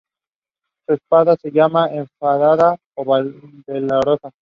Su espada se llamaba "Enfadada" o "Valerosa".